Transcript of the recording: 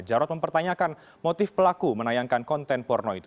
jarod mempertanyakan motif pelaku menayangkan konten porno itu